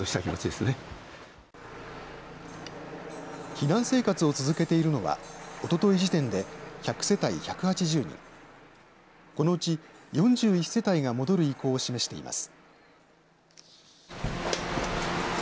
避難生活を続けているのはおととい時点で１００世帯１８０人このうち４１世帯が戻る意向を示しています。